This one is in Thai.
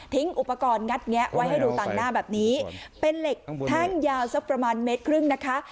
อุปกรณ์งัดแงะไว้ให้ดูต่างหน้าแบบนี้เป็นเหล็กแท่งยาวสักประมาณเมตรครึ่งนะคะ